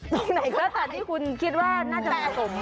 ตัวไหนก็คือตัวที่คุณคิดว่าน่าจะแก่ผม